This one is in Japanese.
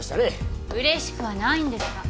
うれしくはないんですが。